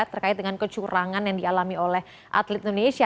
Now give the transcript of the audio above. terkait dengan kecurangan yang dialami oleh atlet indonesia